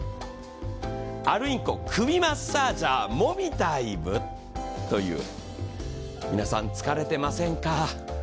アルインコ首マッサージャーもみたいむということで皆さん疲れていませんか？